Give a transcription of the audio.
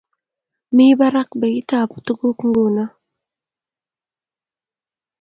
Mi barak beitab tuguk nguno